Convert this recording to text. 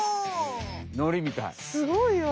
すごいわ！